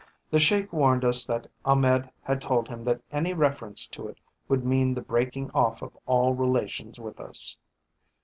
The Sheik warned us that Ahmed had told him that any reference to it would mean the breaking off of all relations with us.